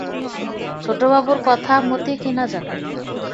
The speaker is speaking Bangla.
ছোটবাবুর কথা মতি কী না জানে?